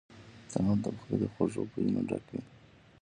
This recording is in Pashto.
تنور د پخلي له خوږو بویونو ډک وي